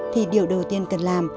thì điều đầu tiên cần làm